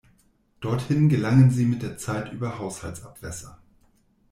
Dorthin gelangen sie mit der Zeit über Haushaltsabwässer.